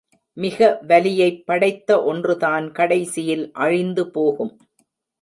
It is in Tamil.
மிக வலியைப் படைத்த ஒன்றுதான் கடைசியில் அழிந்து போகும்.